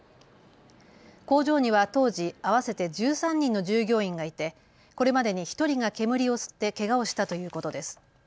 工場には当時、合わせて１３人の従業員がいてこれまでに１人が煙を吸ってけがをしたということです。